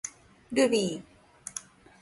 ルビー